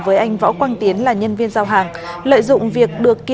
với anh võ quang tiến là nhân viên giao hàng lợi dụng việc được kiểm tra